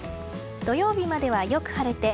土曜日までよく晴れて